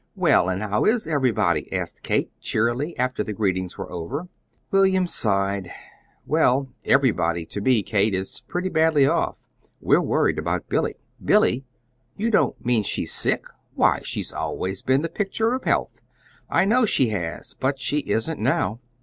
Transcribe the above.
"Well, and how is everybody?" asked Kate, cheerily, after the greetings were over. William sighed. "Well, 'everybody,' to me, Kate, is pretty badly off. We're worried about Billy." "Billy! You don't mean she's sick? Why, she's always been the picture of health!" "I know she has; but she isn't now."